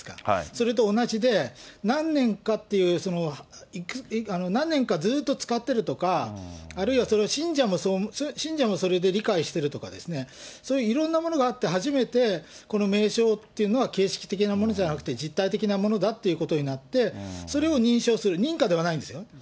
それと同じで、何年かずっと使ってるとか、あるいは、信者もそれで理解してるとかですね、そういういろんなものがあって、初めてこの名称っていうのは、形式的なものじゃなくて、実態的なものだっていうことになって、それを認証する、認可ではないんですよ。